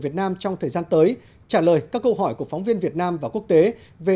bộ ngoại giao trong thời gian tới trả lời các câu hỏi của phóng viên việt nam và quốc tế về